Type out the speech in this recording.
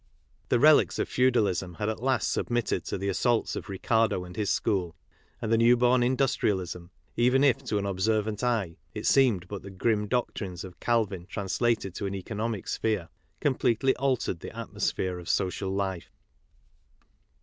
The refics of feudalism had at last submitted to the assaults of Ricardo and his school ; and the new born industrialism, even if, to an observant eye, it seemed but the grim doctrines of Calvin translated to an economic sphere, completely altered the atmosphere of social life.